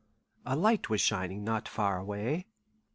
A light was shining not far away.